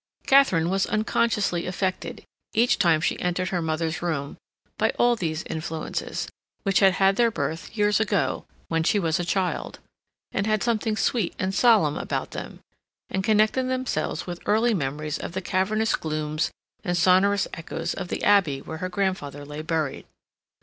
Katharine was unconsciously affected, each time she entered her mother's room, by all these influences, which had had their birth years ago, when she was a child, and had something sweet and solemn about them, and connected themselves with early memories of the cavernous glooms and sonorous echoes of the Abbey where her grandfather lay buried.